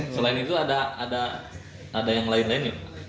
selain itu ada yang lain lain